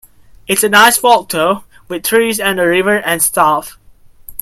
It's a nice walk though, with trees and a river and stuff.